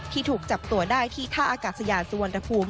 ถูกจับตัวได้ที่ท่าอากาศยานสุวรรณภูมิ